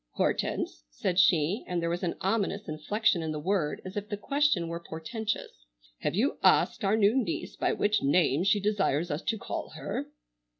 "Hortense," said she, and there was an ominous inflection in the word as if the question were portentous, "have you asked our new niece by what name she desires us to call her?"